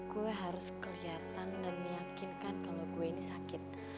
gue harus kelihatan dan meyakinkan kalau gue ini sakit